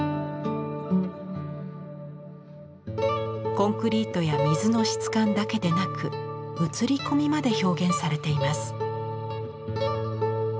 コンクリートや水の質感だけでなく映り込みまで表現されています。